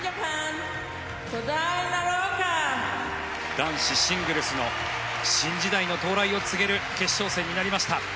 男子シングルスの新時代の到来を告げる決勝戦になりました。